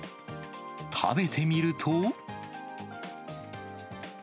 食べてみると。